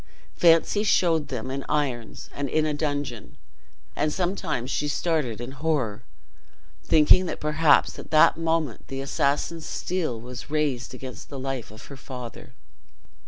Fancy showed them in irons and in a dungeon, and sometimes she started in horror, thinking that perhaps at that moment the assassin's steel was raised against the life of her father.